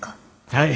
はい。